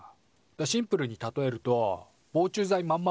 シンプルに例えると防虫ざいまんま